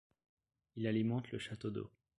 Il alimente le château d'eau.